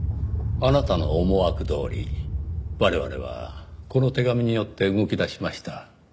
あなたの思惑どおり我々はこの手紙によって動き出しました。